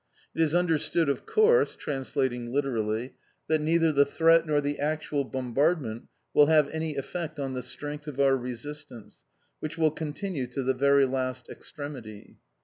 It is understood, of course" (translating literally), "that neither the threat nor the actual bombardment will have any effect on the strength of our resistance, which will continue to the very last extremity!"